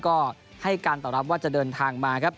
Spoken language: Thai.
ก็ให้การตอบรับว่าจะเดินทางมาครับ